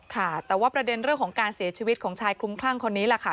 ค่ะแต่ว่าประเด็นเรื่องของการเสียชีวิตของชายคลุมคลั่งคนนี้แหละค่ะ